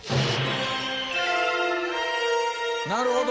なるほど。